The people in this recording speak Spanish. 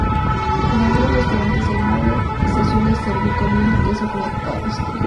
En algunos restaurantes del Maghreb se suele servir con miel y queso como postre.